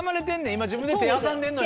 今自分で手挟んでんのよ。